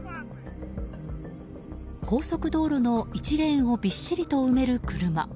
高速道路の１レーンをびっしりと埋める車。